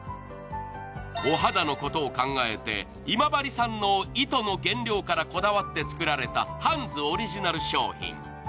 お肌のことを考えて今治産の糸の原料からこだわって作られたハンズオリジナル商品。